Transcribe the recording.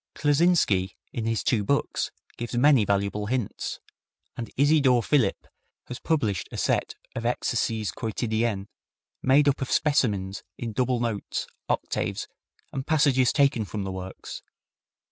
Kleczynski, in his two books, gives many valuable hints, and Isidor Philipp has published a set of Exercises Quotidiens, made up of specimens in double notes, octaves and passages taken from the works.